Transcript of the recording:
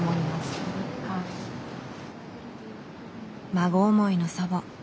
孫思いの祖母。